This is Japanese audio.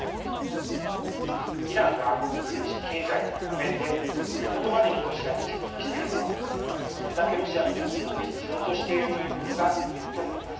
イランが軍事・経済の両面でこれ程までにロシアに接近しているのはそれだけロシアの助けを必要としているということが言えると思います。